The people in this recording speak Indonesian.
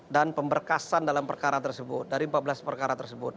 dan pemberkasan dalam perkara tersebut dari empat belas perkara tersebut